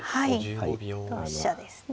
はい同飛車ですね。